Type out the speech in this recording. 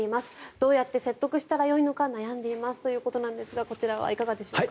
どうやって説得したらよいのか悩んでいますということですがこちらはいかがでしょうか。